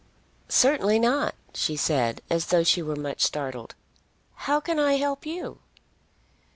"Certainly not," she said, as though she were much startled. "How can I help you?"